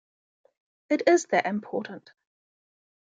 It is that important.